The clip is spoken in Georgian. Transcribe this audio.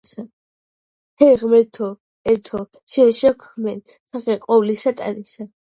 ჰე, ღმერთო ერთო, შენ შეჰქმენ სახე ყოვლისა ტანისა